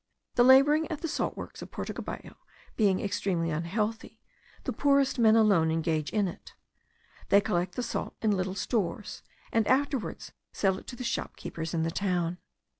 The labouring at the salt works of Porto Cabello being extremely unhealthy, the poorest men alone engage in it. They collect the salt in little stores, and afterwards sell it to the shopkeepers in the town.